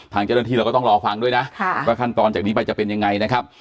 ทางเจ้าหน้าที่เราก็ต้องรอฟังด้วยนะว่าขั้นตอนจากนี้ไปจะเป็นยังไงนะครับ